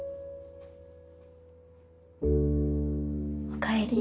おかえり。